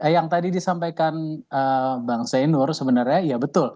yang tadi disampaikan bang zainur sebenarnya ya betul